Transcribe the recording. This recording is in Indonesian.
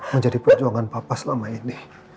menjadi perjuangan papa selama ini